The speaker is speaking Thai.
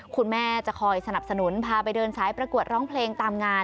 คุณแม่จะคอยสนับสนุนพาไปเดินสายประกวดร้องเพลงตามงาน